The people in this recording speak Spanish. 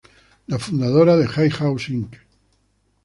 La fundadora de Hay House Inc.